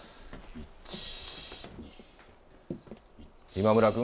今村君。